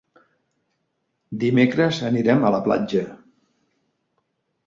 Dimecres anirem a la platja.